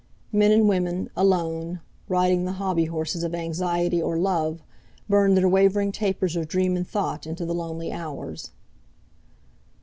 Men and women, alone, riding the hobby horses of anxiety or love, burned their wavering tapers of dream and thought into the lonely hours.